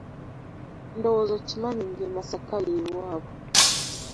Ndowooza okimanyi ng'e Masaka y'ewabwe?